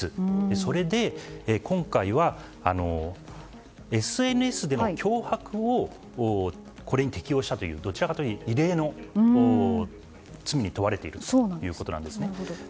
それで、今回はＳＮＳでの脅迫をこれに適用したということでどちらかといえば異例の罪に問われているということです。